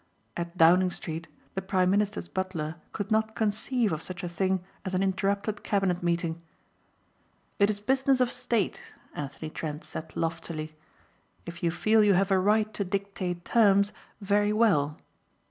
At Downing Street the prime minister's butler could not conceive of such a thing as an interrupted cabinet meeting. "It is business of state," Anthony Trent said loftily. "If you feel you have a right to dictate terms very well.